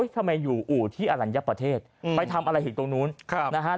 โอ๊ยทำไมอยู่อู่ที่อรัญญะประเทศไปทำอะไรอีกตรงนู้นครับ